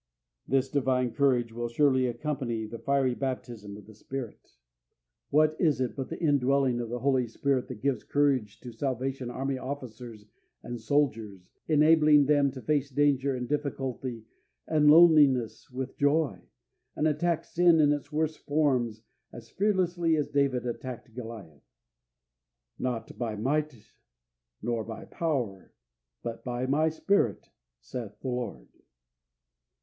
This Divine courage will surely accompany the fiery baptism of the Spirit. What is it but the indwelling of the Holy Spirit that gives courage to Salvation Army Officers and Soldiers, enabling them to face danger and difficulty and loneliness with joy, and attack sin in its worst forms as fearlessly as David attacked Goliath? "Not by might nor by power, but by My Spirit, saith the Lord."